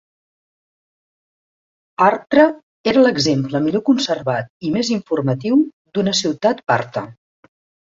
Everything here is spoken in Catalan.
Hatra era l'exemple millor conservat i més informatiu d'una ciutat parta.